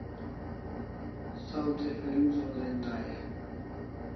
Saw thi film sawzen dai e?